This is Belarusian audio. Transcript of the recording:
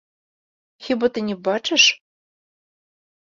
Хіба ты не бачыш?